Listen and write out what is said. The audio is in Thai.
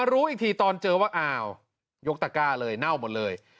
รู้อีกทีตอนเจอว่าอ้าวยกตะก้าเลยเน่าหมดเลย